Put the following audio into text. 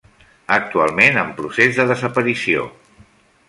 Actualment en procés de desaparició.